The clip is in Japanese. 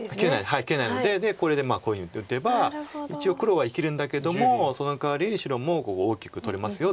切れないのでこれでこういうふうに打てば一応黒は生きるんだけどもそのかわり白もここ大きく取れますよという。